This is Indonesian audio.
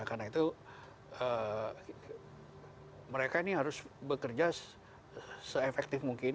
karena itu mereka ini harus bekerja se efektif mungkin